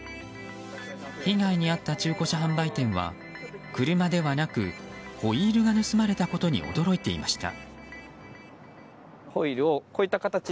被害に遭った中古車販売店は車ではなくホイールが盗まれたことに驚いていました。